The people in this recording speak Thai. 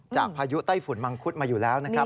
พายุไต้ฝุ่นมังคุดมาอยู่แล้วนะครับ